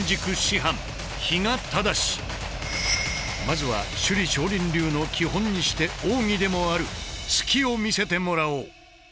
まずは首里少林流の基本にして奥義でもある「突き」を見せてもらおう！